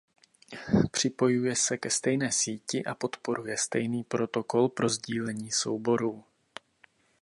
Připojuje se ke stejné síti a podporuje stejný protokol pro sdílení souborů.